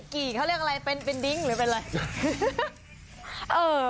กี่เขาเรียกอะไรเป็นดิ้งหรือเป็นอะไร